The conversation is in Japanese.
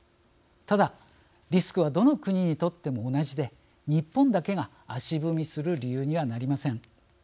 ただ、リスクはどの国にとっても同じで日本だけが足踏みする理由にはなりません。